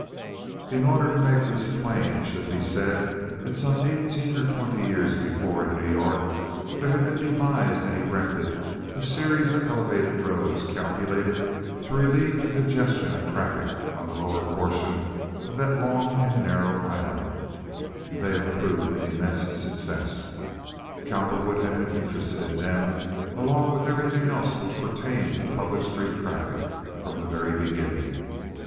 In order to make this plain it should be said that some eighteen or twenty years before in New York there had been devised and erected a series of elevated roads calculated to relieve the congestion of traffic on the lower portion of that long and narrow island, and they had proved an immense success. Cowperwood had been interested in them, along with everything else which pertained to public street traffic, from the very beginning.